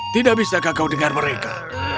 tidak bisa kau mendengar mereka